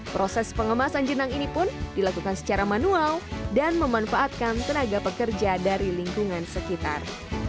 proses pengemasan jenang ini pun dilakukan secara manual dan memanfaatkan tenaga pekerja dari lingkungan sekitar